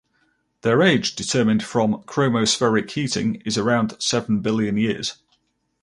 Their age determined from chromospheric heating is around seven billion years.